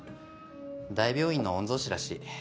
大病院の御曹子らしい。